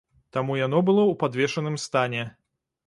Таму яно было ў падвешаным стане.